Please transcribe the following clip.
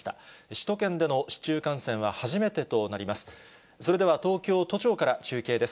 首都圏での市中感染は初めてとなります。